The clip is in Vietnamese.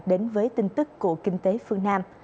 đến với tin tức của kinh tế phương nam